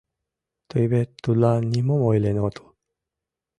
Тый вет тудлан нимом ойлен отыл?